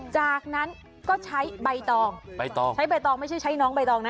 จากนั้นก็ใช้ใบตองใบตองใช้ใบตองไม่ใช่ใช้น้องใบตองนะ